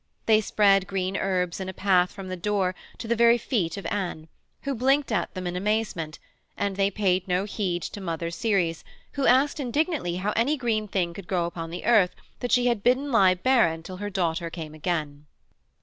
They spread green herbs in a path from the door to the very feet of Anne, who blinked at them in amazement, and they paid no heed to Mother Ceres, who asked indignantly how any green thing could grow upon the earth that she had bidden lie barren till her daughter came again.